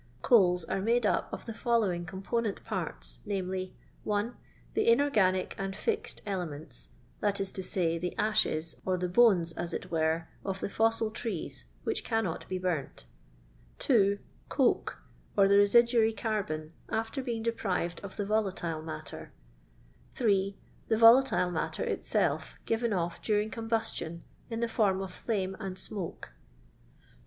Coals "^are made up of the following component parts, viz. (1) the inorganic and fixed elements; that is to say, the ashes, or the bones, as it were, of the fossil trees, which cannot be burnt ; (2) coke, or the residuary carbon, after being deprived of the vohitile matter; (3) the volatile matter itself given off during combustion in the form of flame and smoke.